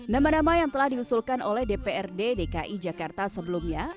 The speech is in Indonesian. nama nama yang telah diusulkan oleh dprd dki jakarta sebelumnya